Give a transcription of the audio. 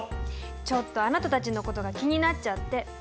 ちょっとあなたたちのことが気になっちゃって。